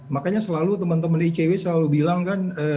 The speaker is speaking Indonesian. makanya selalu teman teman di icw selalu bilang kan